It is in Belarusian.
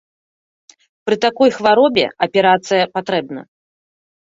Пры такой хваробе аперацыя патрэбна.